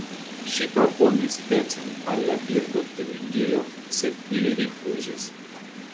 Ŝi proponis pecon al la Birdotimigilo, sed li rifuzis.